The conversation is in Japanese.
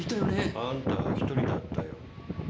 あんたは一人だったよ。